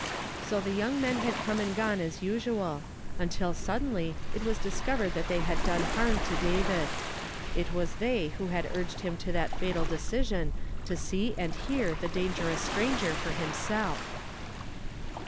So the your g men had come and gon« as usual, until suddenly it was discovered that they had done harm to David. It was they who had urged him to that fatal decision to see and hear the dangerous stranger for himself